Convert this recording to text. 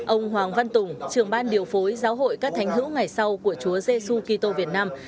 ông hoàng văn tùng trưởng ban điều phối giáo hội các thánh hữu ngày sau của chúa giê xu kỳ tô việt nam